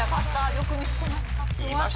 よく見つけました。